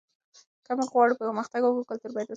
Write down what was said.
که موږ غواړو پرمختګ وکړو کلتور باید وساتو.